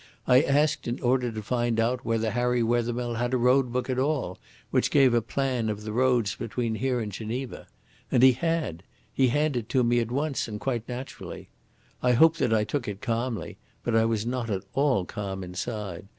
I asked in order to find out whether Harry Wethermill had a road book at all which gave a plan of the roads between here and Geneva. And he had. He handed it to me at once and quite naturally. I hope that I took it calmly, but I was not at all calm inside.